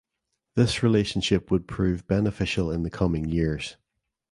This relationship would prove beneficial in the coming years.